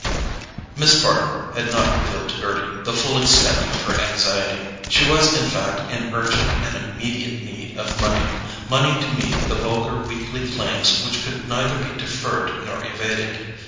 Miss Bart had not revealed to Gerty the full extent of her anxiety. She was in fact in urgent and immediate need of money: money to meet the vulgar weekly claims which could neither be deferred nor evaded.